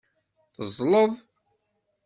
Teẓẓleḍ.